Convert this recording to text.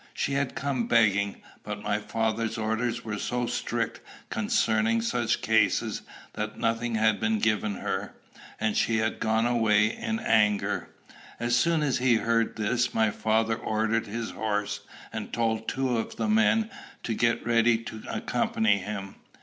She had come begging; but my father's orders were so strict concerning such cases, that nothing had been given her, and she had gone away in anger. As soon as he heard this, my father ordered his horse, and told two of the men to get ready to accompany him.